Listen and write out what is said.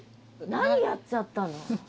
何やっちゃったの？